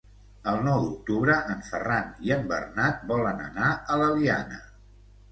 El nou d'octubre en Ferran i en Bernat volen anar a l'Eliana.